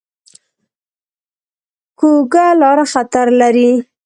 کوږه لاره خطر لري